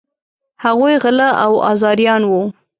هغوی غله او آزاریان وه.